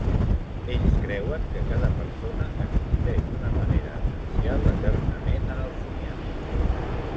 Ells creuen que cada persona existeix d'una manera essencial eternament en el Somiar.